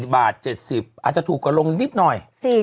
บาท๗๐อาจจะถูกกว่าลงนิดหน่อย